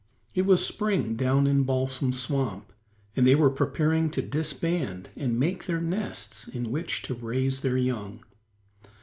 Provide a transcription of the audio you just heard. It was spring down in Balsam Swamp, and they were preparing to disband and make their nests in which to raise their young.